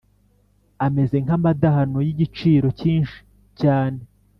ameze nk’amadahano y’igiciro cyinshi cyane